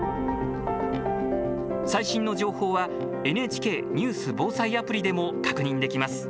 最新の情報はＮＨＫニュース・防災アプリでも確認できます。